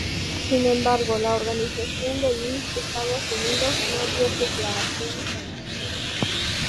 Sin embargo la organización de Miss Estados Unidos, no dio declaraciones al respecto.